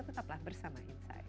tetaplah bersama insight